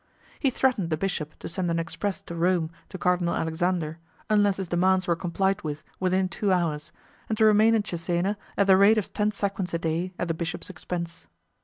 He threatened the bishop to send an express to Rome to Cardinal Alexander, unless his demands were complied with within two hours, and to remain in Cesena at the rate of ten sequins a day at the bishop's expense.